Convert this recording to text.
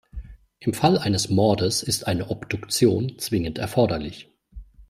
Im Fall eines Mordes ist eine Obduktion zwingend erforderlich.